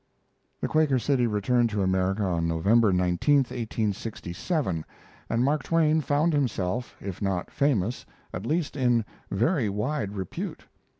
The Quaker City returned to America on November 19, 1867, and Mark Twain found himself, if not famous, at least in very wide repute.